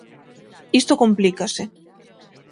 Isto complícase.